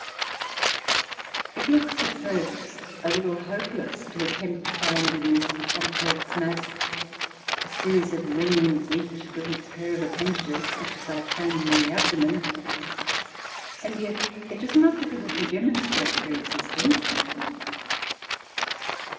It looks, at first, a little hopeless to attempt to find in this complex mass a series of rings, each with its pair of appendages, such as I have shown you in the abdomen, and yet it is not difficult to demonstrate their existence.